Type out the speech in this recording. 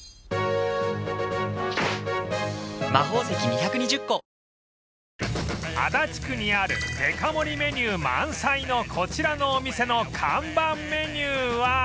足立区にあるデカ盛りメニュー満載のこちらのお店の看板メニューは